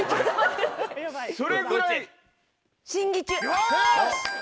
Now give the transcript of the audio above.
よし！